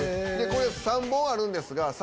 これ３本あるんですが。